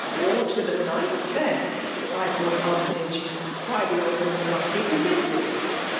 *'" War to the knife, then !" cried Lord Army* tage. ''Why, the old women must b^ de mented.